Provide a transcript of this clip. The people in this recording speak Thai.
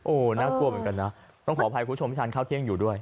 โอ้โหน่ากลัวเหมือนกันนะต้องขออภัยคุณผู้ชมที่ทานข้าวเที่ยงอยู่ด้วย